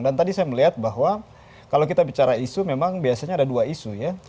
dan tadi saya melihat bahwa kalau kita bicara isu memang biasanya ada dua isu ya